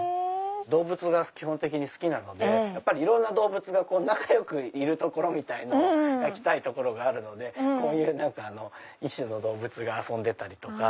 動物が基本的に好きなのでいろんな動物が仲良くいるとこを描きたいところがあるのでこういう異種の動物が遊んでたりとか。